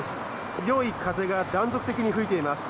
強い風が断続的に吹いています。